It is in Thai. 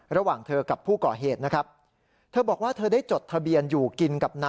ระหว่างเธอกับผู้ก่อเหตุนะครับ